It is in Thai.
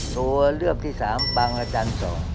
ตัวเลือกที่๓บางรจันทร์๒